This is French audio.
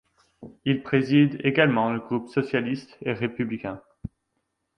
Il préside également le groupe socialiste et républicain.